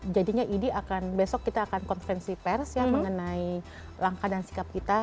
jadinya idi akan besok kita akan konferensi pers ya mengenai langkah dan sikap kita